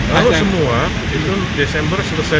ada semua itu desember selesai